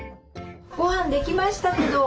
ごはんできましたけど。